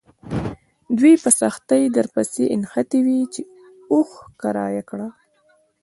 دوی په سختۍ درپسې نښتي وي چې اوښ کرایه کړه.